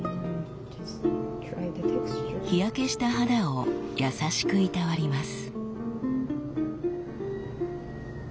日焼けした肌を優しくいたわります。